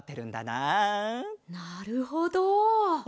なるほど。